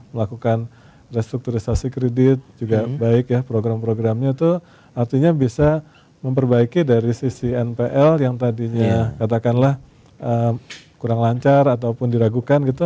melakukan restrukturisasi kredit juga baik ya program programnya itu artinya bisa memperbaiki dari sisi npl yang tadinya katakanlah kurang lancar ataupun diragukan gitu